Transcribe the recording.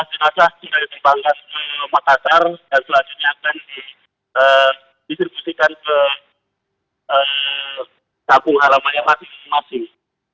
enam belas jenazah sudah ditempatkan ke makassar dan selanjutnya akan distribusikan ke kampung alamannya masing masing